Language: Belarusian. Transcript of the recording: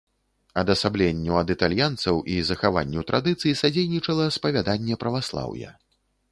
Адасабленню ад італьянцаў і захаванню традыцый садзейнічала спавяданне праваслаўя.